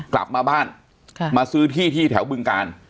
กลับมาบ้านมาซื้อที่แถวเบื้องกาล